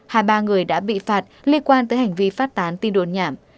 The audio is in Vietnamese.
hai ba người đã bị phạt liên quan tới hành vi phát tán tin đồn nhảm